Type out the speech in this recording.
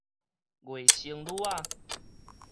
外甥女仔